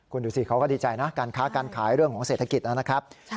คุณดูสิเขาก็ดีใจนะการค้าการขายเรื่องของเศรษฐกิจนะครับ